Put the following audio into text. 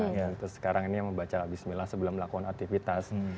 nah itu sekarang ini membaca bismillah sebelum melakukan aktivitas